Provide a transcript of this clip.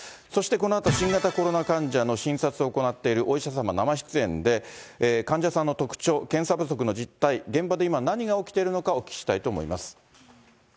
そしてこのあと、新型コロナ患者の診察を行っているお医者様、生出演で、患者さんの特徴、検査不足の実態、現場で今、何が起きているのか、お聞きしたいと思います。